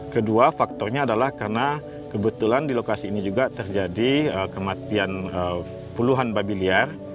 kedua faktornya adalah karena kebetulan di lokasi ini juga terjadi kematian puluhan babi liar